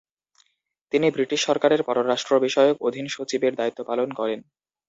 তিনি ব্রিটিশ সরকারের পররাষ্ট্র বিষয়ক অধীন সচিবের দায়িত্ব পালন করেন।